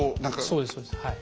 そうですそうですはい。